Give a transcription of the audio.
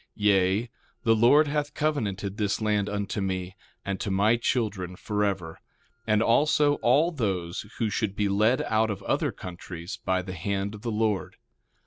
Yea, the Lord hath covenanted this land unto me, and to my children forever, and also all those who should be led out of other countries by the hand of the Lord.